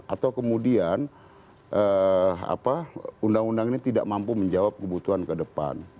atau kemudian undang undang ini tidak mampu menjawab kebutuhan ke depan